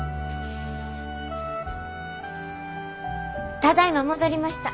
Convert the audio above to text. ただいま戻りました。